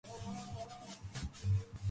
The beau was thought to appear most charming.